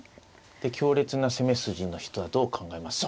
で強烈な攻め筋の人はどう考えます。